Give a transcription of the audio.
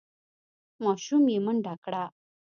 ماشوم یې منډه کړه.